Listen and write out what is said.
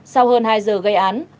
sau hơn hai giờ gây án